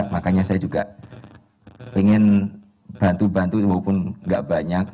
makanya saya juga ingin bantu bantu walaupun gak banyak